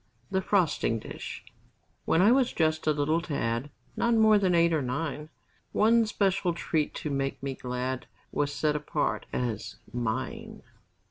THE FROSTING DISH When I was just a little tad Not more than eight or nine, One special treat to make me glad Was set apart as "mine."